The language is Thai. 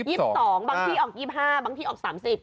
บางที่ออก๒๕บางที่ออก๓๐